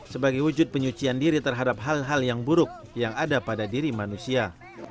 sebagai wujud penyucian diri terhadap hal hal yang buruk yang ada pada diri manusia